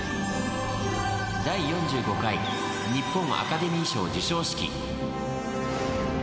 第４５回日本アカデミー賞授賞式。